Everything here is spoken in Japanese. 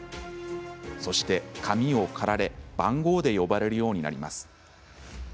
そして、髪を刈られ番号で呼ばれるようになります。